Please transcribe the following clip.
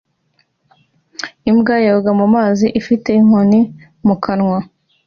Imbwa yoga mu mazi ifite inkoni mu kanwa